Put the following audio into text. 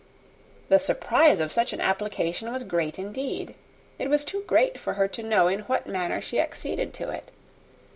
The surprise of such an application was great indeed; it was too great for her to know in what manner she acceded to it.